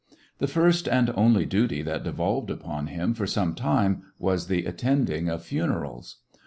The first and only duty that devolved upon Nothing but him for some time was the attending of funer als.